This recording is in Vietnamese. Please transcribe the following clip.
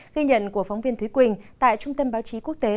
ghi nhận của phóng viên thúy quỳnh tại trung tâm báo chí quốc tế